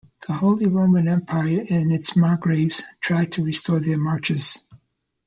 The Holy Roman Empire and its margraves tried to restore their marches.